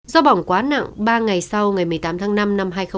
do bỏng quá nặng ba ngày sau ngày một mươi tám tháng năm năm hai nghìn bảy